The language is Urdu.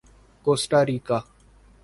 کوسٹا ریکا